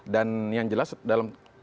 dan yang jelas dalam